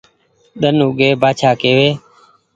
ۮن اوڳي بآڇآ ڪيوي